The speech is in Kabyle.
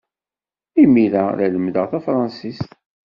Imir-a, la lemmdeɣ tafṛensist.